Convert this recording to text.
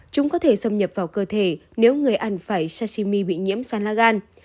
chúng có thể xâm nhập vào cơ thể nếu người ăn phải sashimi bị nhiễm sán la gan